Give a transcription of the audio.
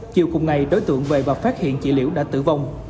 chiều cùng ngày đối tượng về và phát hiện chị liễu đã tử vong